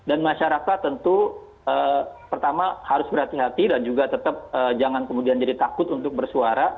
dan masyarakat tentu pertama harus berhati hati dan juga tetap jangan kemudian jadi takut untuk bersuara